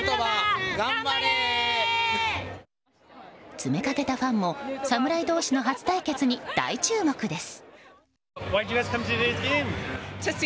詰めかけたファンも侍同士の初対決に大注目です。